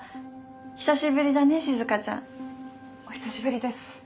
久しぶりだね静ちゃん。お久しぶりです。